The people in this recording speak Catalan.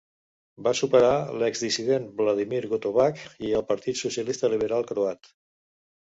Va superar l'exdissident Vladimir Gotovac i el Partit Social Liberal Croat.